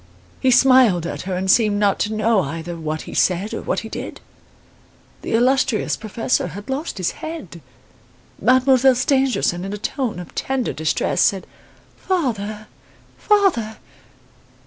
He smiled at her and seemed not to know either what he said or what he did. The illustrious professor had lost his head. Mademoiselle Stangerson in a tone of tender distress said: 'Father! father!